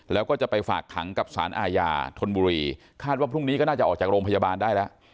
แล้วก็จะไปฝากขังกับสารอาญาธนบุรีคาดว่าพรุ่งนี้ก็น่าจะออกจากโรงพยาบาลได้แล้ว